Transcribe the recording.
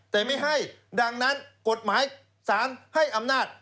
แต่ไม่ให้ดังนั้นกฎหมายสารให้อำนาจ